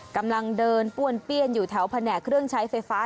กำลังเดินป้วนเปี้ยนอยู่แถวแผนกเครื่องใช้ไฟฟ้า